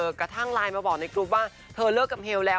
กระทั่งไลน์มาบอกในกรุ๊ปว่าเธอเลิกกับเฮลแล้ว